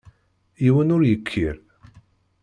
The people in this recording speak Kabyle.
Yiwen ur yekkir.